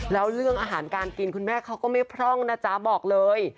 แล้วเรื่องอาหารการกินคุณแม่เขาก็ไม่พร่องนะจ๊ะบอกเลย